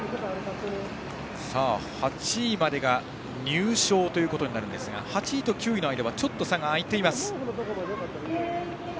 ８位までが入賞ということになるんですが８位と９位の間はちょっと差が開いています。